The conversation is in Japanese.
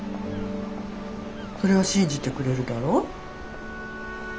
それは信じてくれるだろ？